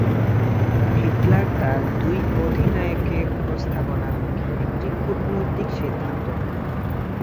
Hitler তার দুই অধিনায়কের প্রস্তাবনার মুখে একটি কূটনৈতিক সিদ্ধান্ত নেন।